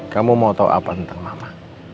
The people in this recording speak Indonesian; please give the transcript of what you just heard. kamu mau tahu apa tentang mama